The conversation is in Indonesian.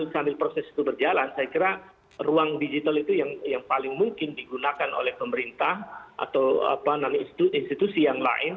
sambil proses itu berjalan saya kira ruang digital itu yang paling mungkin digunakan oleh pemerintah atau institusi yang lain